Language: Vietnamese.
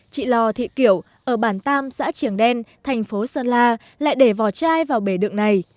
chị lò thị kiểu ở bản tam xã triển đen thành phố sơn la lại để vỏ chai vào bể đựng này